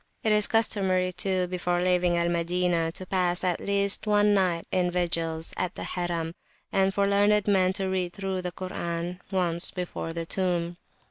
It is customary, too, before leaving Al Madinah, to pass at least one night in vigils at the Harim, and for learned men to read through the Koran once before the tomb.